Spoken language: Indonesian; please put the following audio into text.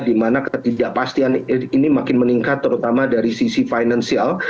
dimana ketidakpastian ini makin meningkat terutama dari sisi financial